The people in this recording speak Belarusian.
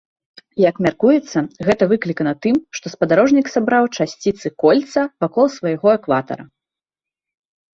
Як мяркуецца, гэта выклікана тым, што спадарожнік сабраў часціцы кольца вакол свайго экватара.